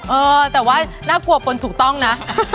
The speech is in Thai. เออแต่ว่าน่ากลัวปนถูกต้องนะ